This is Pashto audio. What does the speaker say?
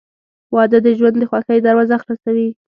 • واده د ژوند د خوښۍ دروازه خلاصوي.